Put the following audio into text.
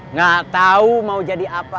nggak tahu mau jadi apa